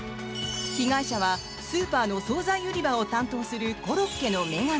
被害者はスーパーの総菜売り場を担当するコロッケの女神。